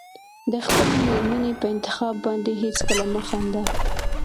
د خپلې مېرمنې په انتخاب باندې هېڅکله مه خانده.